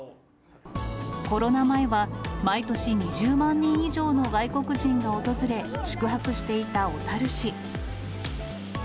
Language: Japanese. コロナ前は、毎年２０万人以上の外国人が訪れ、宿泊していた小樽市。